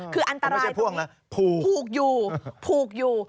คืออันตรายตรงนี้ผูกอยู่